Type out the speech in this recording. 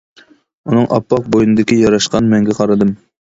ئۇنىڭ ئاپئاق بوينىدىكى ياراشقان مەڭگە قارىدىم.